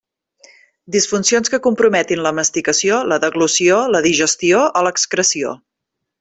Disfuncions que comprometin la masticació, la deglució, la digestió o l'excreció.